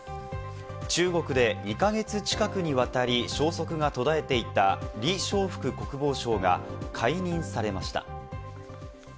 中国で２か月近くにわたり消息が途絶えていた、リ・ショウフク国防相が解任されました。